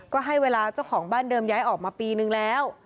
ก็ให้เวลาเจ้าของบ้านเดิมย้ายออกมาปีนึงแล้ว